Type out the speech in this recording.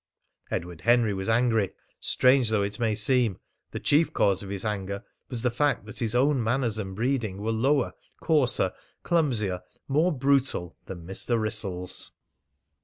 Edward Henry was angry. Strange though it may seem, the chief cause of his anger was the fact that his own manners and breeding were lower, coarser, clumsier, more brutal, than Mr. Wrissell's.